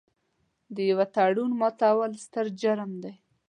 د یوه تړون ماتول ستر جرم دی.